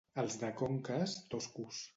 Els de Conques, toscos.